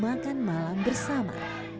makan malam bersama